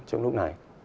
trong lúc này